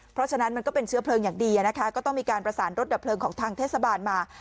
เพราะฉะนั้นมันก็เป็นเชื้อเพลิงอย่างดีนะคะก็ต้องมีการประสานรถดับเพลิงของทางเทศบาลมา